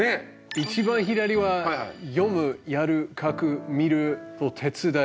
一番左は「読む」「やる」「書く」「見る」「手つだい」。